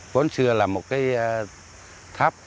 vốn xưa là một cái tháp